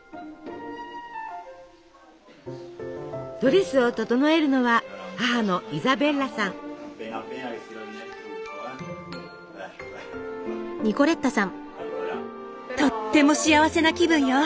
ドレスを整えるのはとっても幸せな気分よ。